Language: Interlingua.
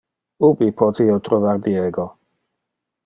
Ubi pote io trovar Diego?